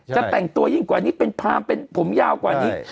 จะแต่งตัวยิ่งกว่านี้เป็นพรามเป็นผมยาวกว่านี้